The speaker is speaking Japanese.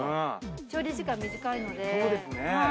調理時間短いので。